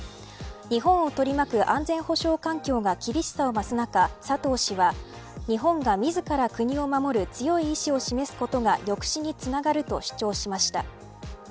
日本を取り巻く安全保障環境が厳しさを増す中、佐藤氏は日本が自ら国を守る強い意志を示すことが抑止につながると主張しました。